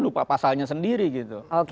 lupa pasalnya sendiri gitu